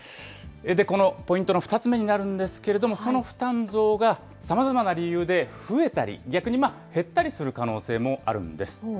このポイントの２つ目になるんですけれども、その負担増が、さまざまな理由で増えたり、逆に減ったりする可能性もあるんです。